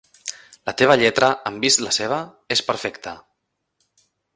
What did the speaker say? La teva lletra, en vist la seva, és perfecta.